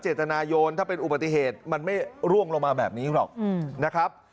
เจตนาโยนถ้าเป็นอุบัติเหตุมันไม่ร่วงลงมาแบบนี้หรอกนะครับ